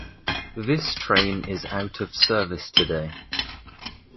This train is out of service today.